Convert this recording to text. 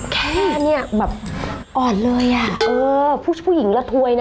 แค่เนี้ยแบบอ่อนเลยอ่ะเออผู้หญิงระถวยนะ